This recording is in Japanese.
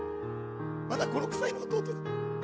まだ５、６歳の弟が。